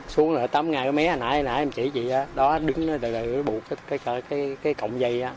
xuống là tắm ngay cái mé hồi nãy hồi nãy em chỉ chị đó đó đứng là bụt cái cọng dây á